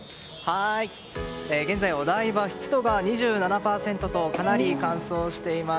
現在、お台場は湿度が２７％とかなり乾燥しています。